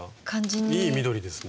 いい緑ですね。